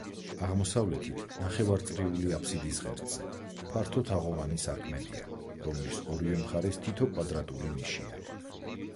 აღმოსავლეთით, ნახევარწრიული აბსიდის ღერძზე, ფართო თაღოვანი სარკმელია, რომლის ორივე მხარეს თითო კვადრატული ნიშია.